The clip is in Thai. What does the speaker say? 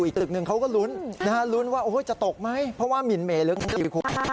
เขาก็ลุ้นพี่จะตกมั้ยเพราะว่ามินเมื่อเพื่อทีคู่